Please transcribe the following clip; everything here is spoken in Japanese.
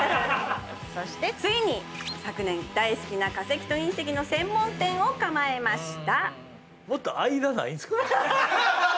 そしてついに昨年大好きな化石と隕石の専門店を構えました。